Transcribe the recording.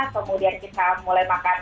kemudian kita mulai makan